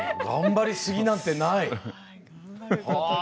頑張りすぎなんてない。